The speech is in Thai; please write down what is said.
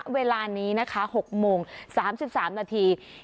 เวลานี้นะคะ๖โมง๓๓นาที